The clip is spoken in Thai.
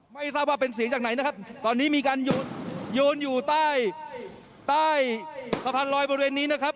ไม่ทราบว่าเป็นเสียงจากไหนนะครับตอนนี้มีการโยนอยู่ใต้ใต้สะพานลอยบริเวณนี้นะครับ